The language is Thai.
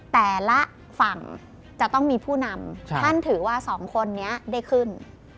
แต่ละฝั่งจะต้องมีผู้นำท่านถือว่าสองคนนี้ได้ขึ้น